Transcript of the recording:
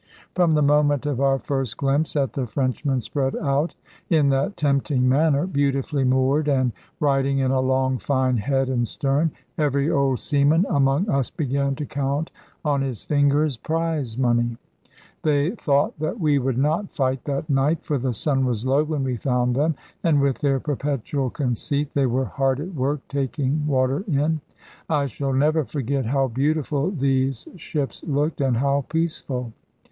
From the moment of our first glimpse at the Frenchmen spread out in that tempting manner, beautifully moored and riding in a long fine head and stern, every old seaman among us began to count on his fingers prize money. They thought that we would not fight that night, for the sun was low when we found them; and with their perpetual conceit, they were hard at work taking water in. I shall never forget how beautiful these ships looked, and how peaceful.